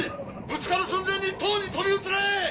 ぶつかる寸前に塔に飛び移れ！